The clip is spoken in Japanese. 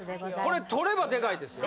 これとればでかいですよ・